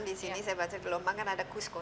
di sini saya baca di lombang kan ada kusko